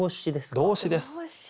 動詞です。